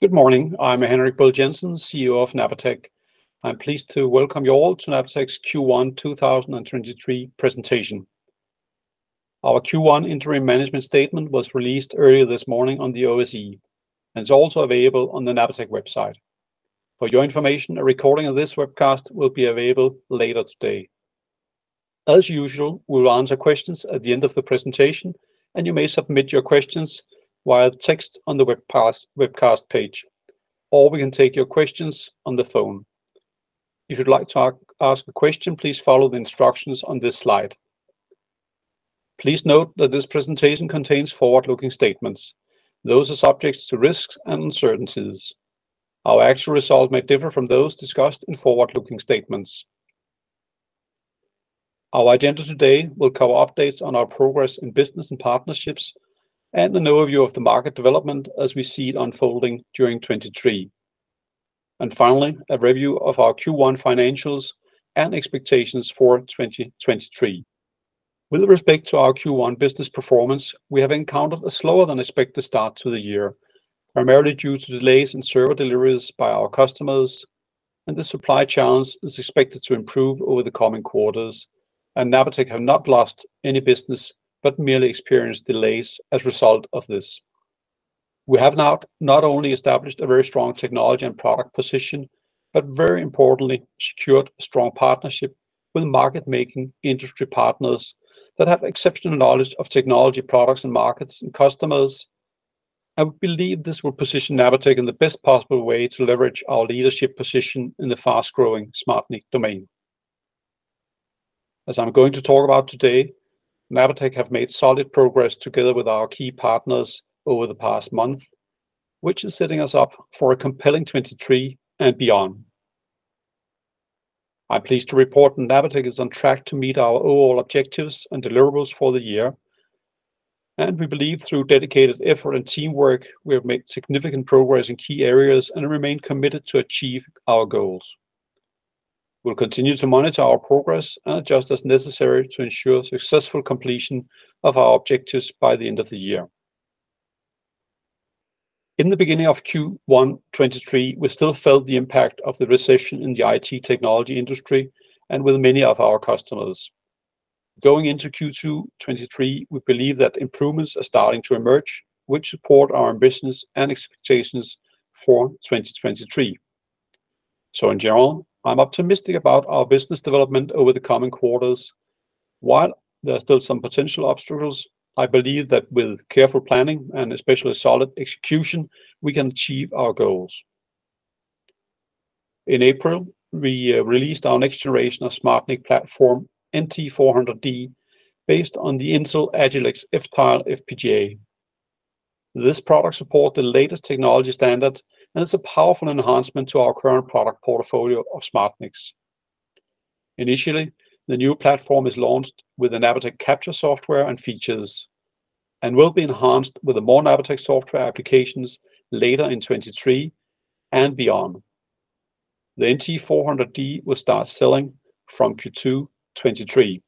Good morning. I'm Henrik Brill Jensen, CEO of Napatech. I'm pleased to welcome you all to Napatech's Q1 2023 presentation. Our Q1 interim management statement was released earlier this morning on the OSE, and it's also available on the Napatech website. For your information, a recording of this webcast will be available later today. As usual, we will answer questions at the end of the presentation, and you may submit your questions via text on the webcast page, or we can take your questions on the phone. If you'd like to ask a question, please follow the instructions on this slide. Please note that this presentation contains forward-looking statements. Those are subject to risks and uncertainties. Our actual results may differ from those discussed in forward-looking statements. Our agenda today will cover updates on our progress in business and partnerships and an overview of the market development as we see it unfolding during 2023. Finally, a review of our Q1 financials and expectations for 2023. With respect to our Q1 business performance, we have encountered a slower than expected start to the year, primarily due to delays in server deliveries by our customers, the supply challenge is expected to improve over the coming quarters. Napatech have not lost any business, but merely experienced delays as a result of this. We have now not only established a very strong technology and product position, but very importantly, secured a strong partnership with market-making industry partners that have exceptional knowledge of technology products and markets and customers. I believe this will position Napatech in the best possible way to leverage our leadership position in the fast-growing SmartNIC domain. As I'm going to talk about today, Napatech have made solid progress together with our key partners over the past month, which is setting us up for a compelling 2023 and beyond. I'm pleased to report that Napatech is on track to meet our overall objectives and deliverables for the year. We believe through dedicated effort and teamwork, we have made significant progress in key areas and remain committed to achieve our goals. We'll continue to monitor our progress and adjust as necessary to ensure successful completion of our objectives by the end of the year. In the beginning of Q1 2023, we still felt the impact of the recession in the IT technology industry and with many of our customers. Going into Q2 2023, we believe that improvements are starting to emerge, which support our ambitions and expectations for 2023. In general, I'm optimistic about our business development over the coming quarters. While there are still some potential obstacles, I believe that with careful planning and especially solid execution, we can achieve our goals. In April, we released our next generation of SmartNIC platform, NT400D, based on the Intel Agilex F-Tile FPGA. This product supports the latest technology standards and is a powerful enhancement to our current product portfolio of SmartNICs. Initially, the new platform is launched with the Napatech capture software and features and will be enhanced with the more Napatech software applications later in 23 and beyond. The NT400D will start selling from Q2 2023.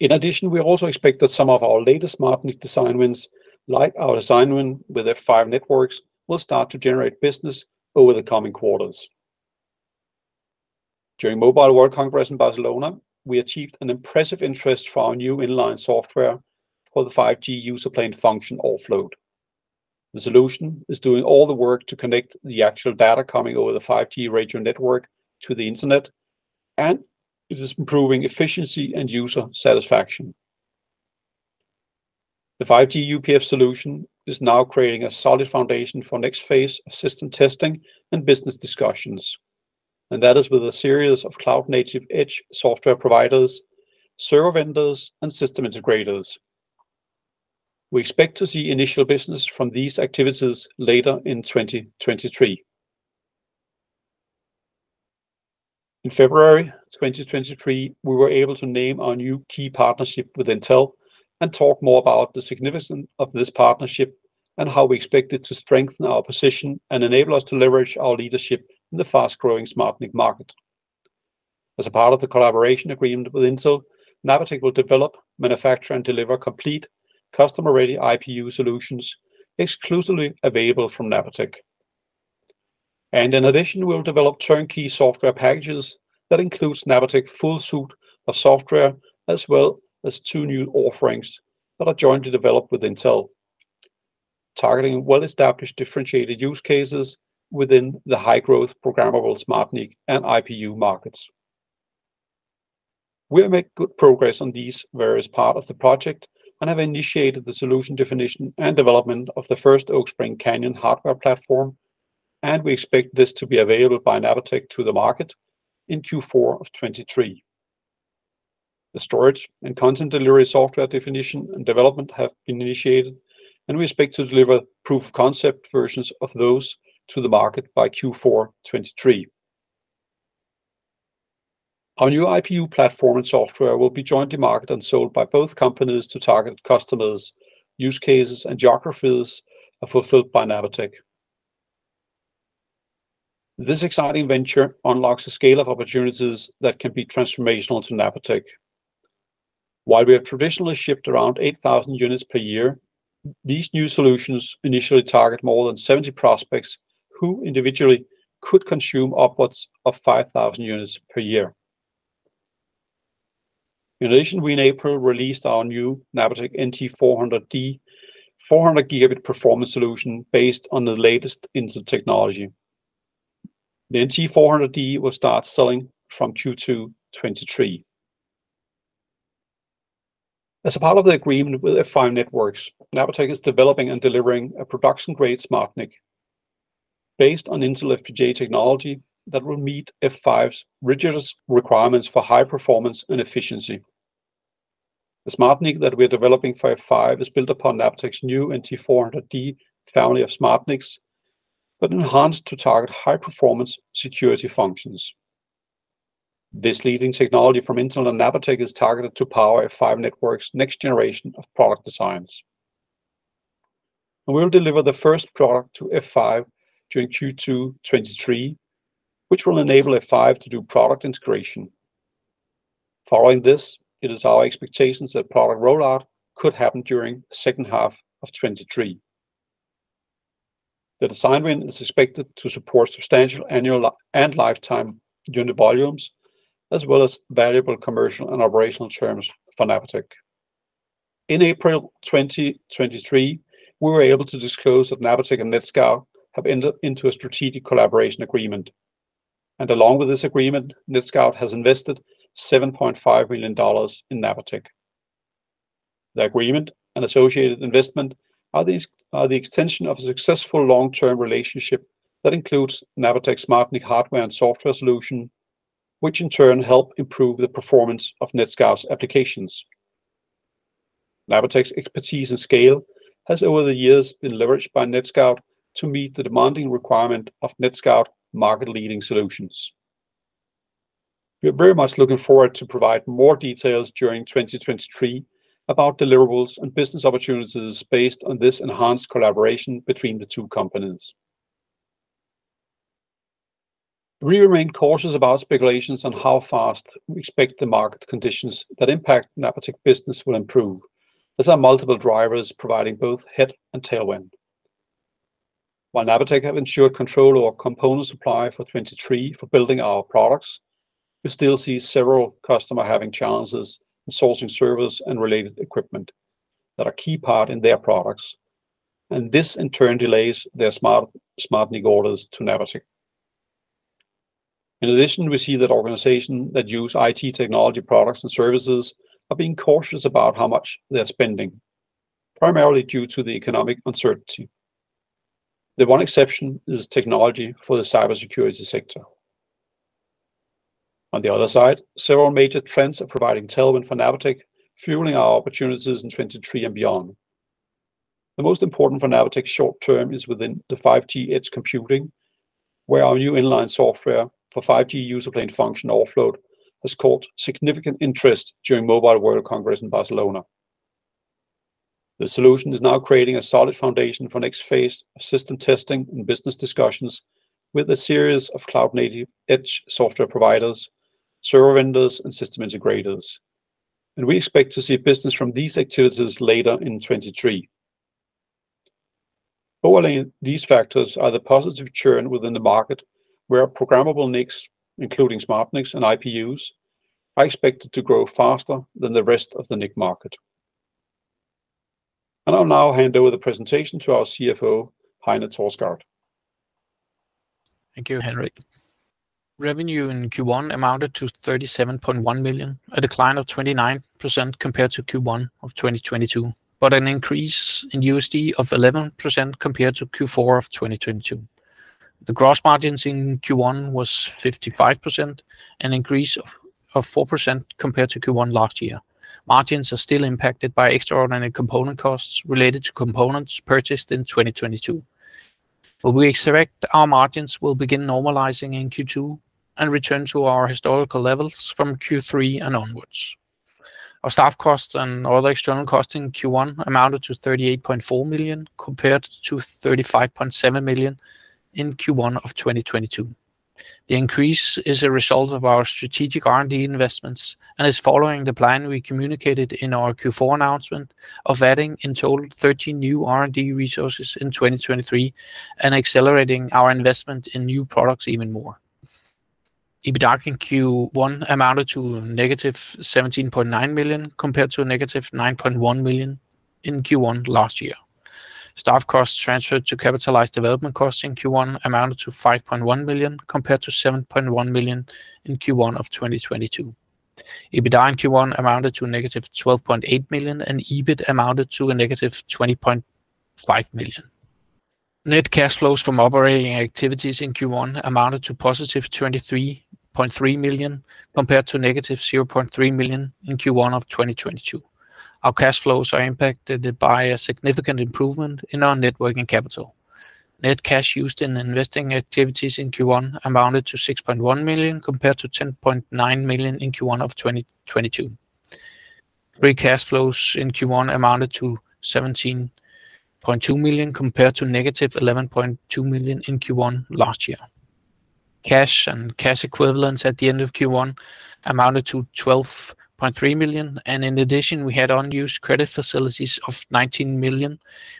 In addition, we also expect that some of our latest SmartNIC design wins, like our design win with F5 Networks, will start to generate business over the coming quarters. During Mobile World Congress in Barcelona, we achieved an impressive interest for our new inline software for the 5G User Plane Function offload. The solution is doing all the work to connect the actual data coming over the 5G radio network to the Internet, and it is improving efficiency and user satisfaction. The 5G UPF solution is now creating a solid foundation for next phase of system testing and business discussions, and that is with a series of cloud-native edge software providers, server vendors, and system integrators. We expect to see initial business from these activities later in 2023. In February 2023, we were able to name our new key partnership with Intel and talk more about the significance of this partnership and how we expect it to strengthen our position and enable us to leverage our leadership in the fast-growing SmartNIC market. As a part of the collaboration agreement with Intel, Napatech will develop, manufacture, and deliver complete customer-ready IPU solutions exclusively available from Napatech. In addition, we'll develop turnkey software packages that includes Napatech full suite of software as well as two new offerings that are jointly developed with Intel, targeting well-established differentiated use cases within the high-growth programmable SmartNIC and IPU markets. We have made good progress on these various parts of the project and have initiated the solution definition and development of the first Oak Springs Canyon hardware platform, and we expect this to be available by Napatech to the market in Q4 of 2023. The storage and content delivery software definition and development have been initiated, and we expect to deliver proof-of-concept versions of those to the market by Q4 2023. Our new IPU platform and software will be jointly marketed and sold by both companies to targeted customers. Use cases and geographies are fulfilled by Napatech. This exciting venture unlocks a scale of opportunities that can be transformational to Napatech. While we have traditionally shipped around 8,000 units per year, these new solutions initially target more than 70 prospects who individually could consume upwards of 5,000 units per year. In addition, we in April released our new Napatech NT400D 400 gigabit performance solution based on the latest Intel technology. The NT400D will start selling from Q2 '23. As a part of the agreement with F5, Napatech is developing and delivering a production-grade SmartNIC based on Intel FPGA technology that will meet F5's rigorous requirements for high performance and efficiency. The SmartNIC that we're developing for F5 is built upon Napatech's new NT400D family of SmartNICs, but enhanced to target high-performance security functions. This leading technology from Intel and Napatech is targeted to power F5 next generation of product designs. We will deliver the first product to F5 during Q2 '23, which will enable F5 to do product integration. Following this, it is our expectations that product rollout could happen during the second half of '23. The design win is expected to support substantial annual and lifetime unit volumes, as well as valuable commercial and operational terms for Napatech. In April 2023, we were able to disclose that Napatech and NETSCOUT have entered into a strategic collaboration agreement. Along with this agreement, NETSCOUT has invested $7.5 million in Napatech. The agreement and associated investment are the extension of a successful long-term relationship that includes Napatech SmartNIC hardware and software solution, which in turn help improve the performance of NETSCOUT's applications. Napatech's expertise and scale has, over the years, been leveraged by NETSCOUT to meet the demanding requirement of NETSCOUT market-leading solutions. We are very much looking forward to provide more details during 2023 about deliverables and business opportunities based on this enhanced collaboration between the two companies. We remain cautious about speculations on how fast we expect the market conditions that impact Napatech business will improve, as our multiple drivers providing both head and tailwind. While Napatech have ensured control of component supply for '23 for building our products, we still see several customer having challenges in sourcing servers and related equipment that are key part in their products. This in turn delays their SmartNIC orders to Napatech. In addition, we see that organization that use IT technology products and services are being cautious about how much they are spending, primarily due to the economic uncertainty. The one exception is technology for the cybersecurity sector. On the other side, several major trends are providing tailwind for Napatech, fueling our opportunities in '23 and beyond. The most important for Napatech short term is within the 5G edge computing, where our new inline software for 5G User Plane Function offload has caught significant interest during Mobile World Congress in Barcelona. The solution is now creating a solid foundation for next phase of system testing and business discussions with a series of cloud-native edge software providers, server vendors, and system integrators. We expect to see business from these activities later in 2023. Overall, these factors are the positive churn within the market where programmable NICs, including SmartNICs and IPUs, are expected to grow faster than the rest of the NIC market. I'll now hand over the presentation to our CFO, Heine Thorsgaard. Thank you, Henrik. Revenue in Q1 amounted to 37.1 million, a decline of 29% compared to Q1 of 2022, an increase in USD of 11% compared to Q4 of 2022. The gross margins in Q1 was 55%, an increase of 4% compared to Q1 last year. Margins are still impacted by extraordinary component costs related to components purchased in 2022. We expect our margins will begin normalizing in Q2 and return to our historical levels from Q3 and onwards. Our staff costs and all the external costs in Q1 amounted to 38.4 million, compared to 35.7 million in Q1 of 2022. The increase is a result of our strategic R&D investments and is following the plan we communicated in our Q4 announcement of adding in total 13 new R&D resources in 2023 and accelerating our investment in new products even more. EBITDA in Q1 amounted to negative 17.9 million, compared to negative 9.1 million in Q1 last year. Staff costs transferred to capitalized development costs in Q1 amounted to 5.1 million, compared to 7.1 million in Q1 of 2022. EBITDA in Q1 amounted to a negative 12.8 million, and EBIT amounted to a negative 20.5 million. Net cash flows from operating activities in Q1 amounted to positive 23.3 million, compared to negative 0.3 million in Q1 of 2022. Our cash flows are impacted by a significant improvement in our networking capital. Net cash used in investing activities in Q1 amounted to 6.1 million, compared to 10.9 million in Q1 of 2022. Free cash flows in Q1 amounted to 17.2 million compared to negative 11.2 million in Q1 last year. Cash and cash equivalents at the end of Q1 amounted to 12.3 million. In addition, we had unused credit facilities of 19 million,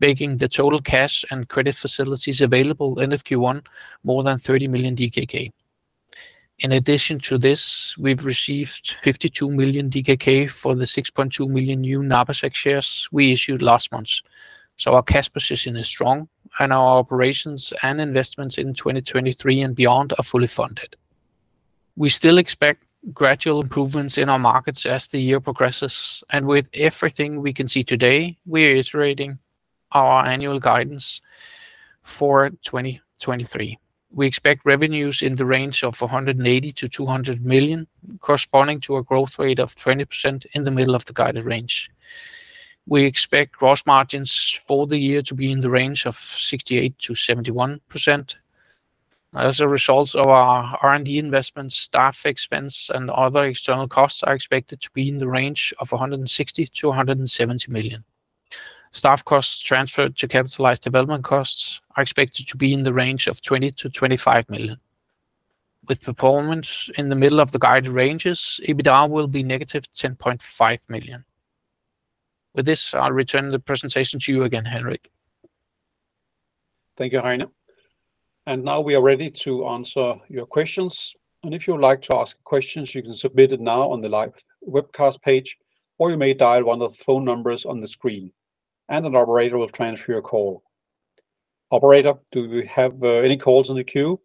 making the total cash and credit facilities available end of Q1 more than 30 million DKK. In addition to this, we've received 52 million DKK for the 6.2 million new Napatech shares we issued last month. Our cash position is strong, and our operations and investments in 2023 and beyond are fully funded. We still expect gradual improvements in our markets as the year progresses, and with everything we can see today, we're iterating our annual guidance for 2023. We expect revenues in the range of 180 million-200 million, corresponding to a growth rate of 20% in the middle of the guided range. We expect gross margins for the year to be in the range of 68%-71%. As a result of our R&D investment, staff expense, and other external costs are expected to be in the range of 160 million-170 million. Staff costs transferred to capitalized development costs are expected to be in the range of 20 million-25 million. With performance in the middle of the guided ranges, EBITDA will be -10.5 million. With this, I'll return the presentation to you again, Henrik. Thank you, Heine. Now we are ready to answer your questions. If you would like to ask questions, you can submit it now on the live webcast page, or you may dial one of the phone numbers on the screen, and an operator will transfer your call. Operator, do we have any calls in the queue?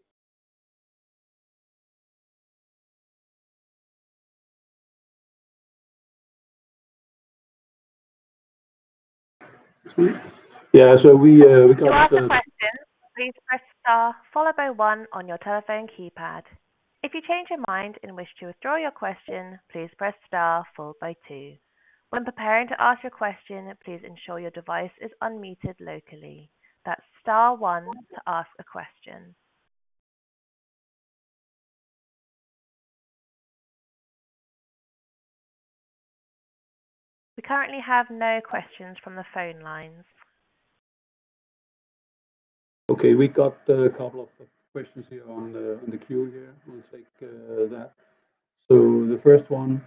Yeah. To ask a question, please press star followed by 1 on your telephone keypad. If you change your mind and wish to withdraw your question, please press star followed by 2. When preparing to ask your question, please ensure your device is unmuted locally. That's star 1 to ask a question. We currently have no questions from the phone lines. We got a couple of questions here on the queue here. We'll take that. The first one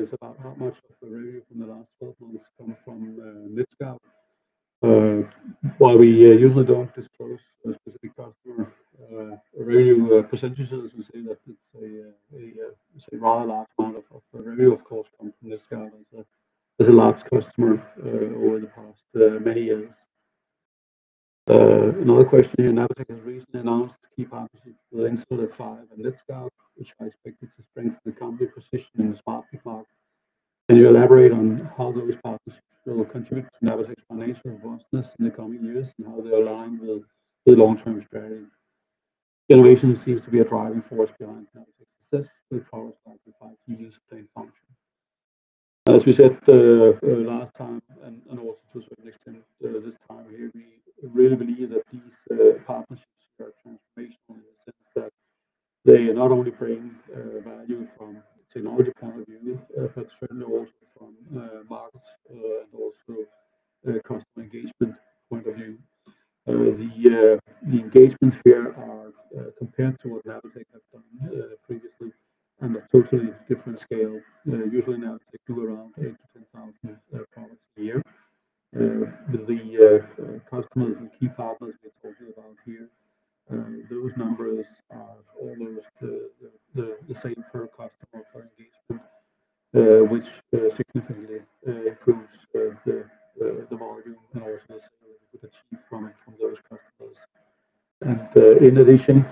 is about how much of the revenue from the last 12 months come from NETSCOUT. While we usually don't disclose a specific customer revenue percentages, we say that it's a rather large amount of revenue, of course, from NETSCOUT. There's a large customer over the past many years. Another question here. Napatech has recently announced key partnership with Intel and NETSCOUT, which are expected to strengthen the company position in the SmartNIC market. Can you elaborate on how those partnerships will contribute to Napatech's financial robustness in the coming years and how they align with the long-term strategy? Innovation seems to be a driving force behind Napatech's success with products like the 5G UPF. As we said, last time and also to a certain extent, this time here, we really believe that these partnerships are transformational in the sense that they are not only bringing value from technology point of view, but certainly also from markets, and also customer engagement point of view. The engagements here are compared to what Napatech have done previously on a totally different scale. Usually Napatech do around 8,000-10,000 products a year. The customers and key partners we are talking about here, those numbers are almost the same per customer per engagement, which significantly improves the volume and also the sale we could achieve from those customers. In addition,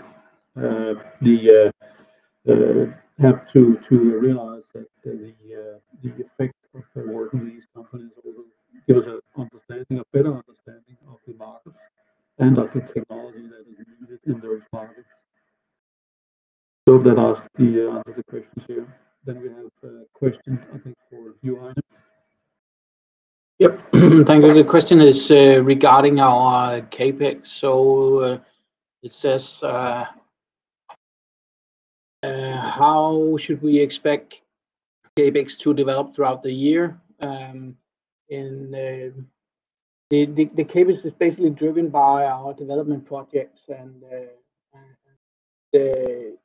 have to realize that the effect of working with these companies will give us a understanding, a better understanding of the markets and of the technology that is needed in those products. That answer the questions here. We have a question, I think, for you, Heine. Yep. Thank you. The question is regarding our CapEx. It says how should we expect CapEx to develop throughout the year? The CapEx is basically driven by our development projects, and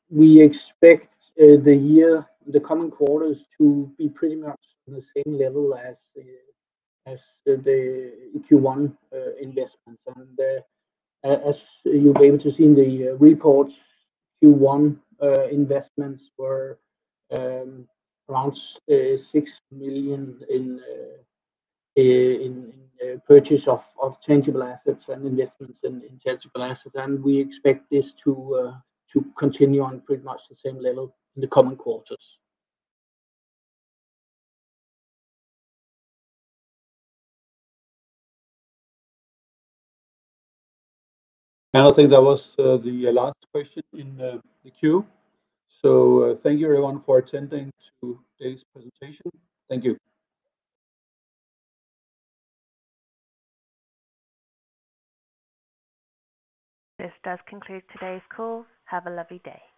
we expect the year, the coming quarters to be pretty much on the same level as the Q1 investments. As you'll be able to see in the reports, Q1 investments were around 6 million in purchase of tangible assets and investments in intangible assets. We expect this to continue on pretty much the same level in the coming quarters. I think that was the last question in the queue. Thank you everyone for attending today's presentation. Thank you. This does conclude today's call. Have a lovely day.